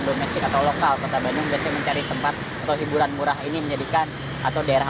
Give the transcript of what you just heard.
domestik atau lokal kota bandung biasanya mencari tempat atau hiburan murah ini menjadikan atau daerah